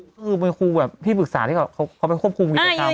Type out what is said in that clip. คือมีครูที่ปรึกษาที่เขาไปควบคุมกิจกรรมมา